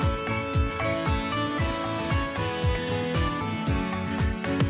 นั่วก็จุดวิจัยเวลาเองครับเคะก็แย่แย่ขึ้นอีกฝีน